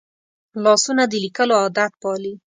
لاسونه د لیکلو عادت پالي